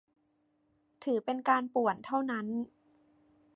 ถือเป็นการป่วนเท่านั้น